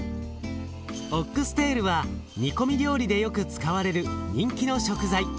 オックステールは煮込み料理でよく使われる人気の食材。